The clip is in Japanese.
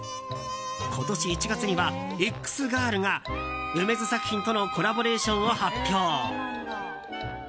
今年１月にはＸ‐ｇｉｒｌが楳図作品とのコラボレーションを発表。